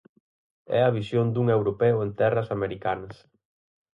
É a visión dun europeo en terras americanas.